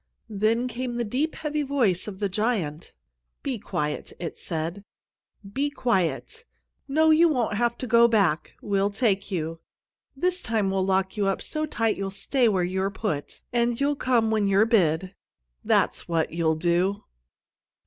Then came the deep, heavy voice of the giant: "Be quiet!" it said. "Be quiet! No, you won't have to go back. We'll take you. This time we'll lock you up so tight you'll stay where you're put, and you'll come when you're bid. That's what you'll do!"